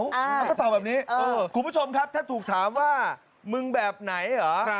เขาก็ตอบแบบนี้คุณผู้ชมครับถ้าถูกถามว่ามึงแบบไหนเหรอ